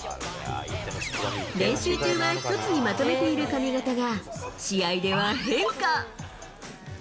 練習中は１つにまとめている髪形が、試合では変化。